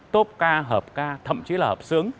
tốt ca hợp ca thậm chí là hợp sướng